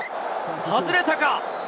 外れたか。